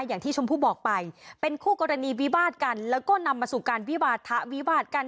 อย่างที่ชมพู่บอกไปเป็นคู่กรณีวิวาดกันแล้วก็นำมาสู่การวิวาทะวิวาดกัน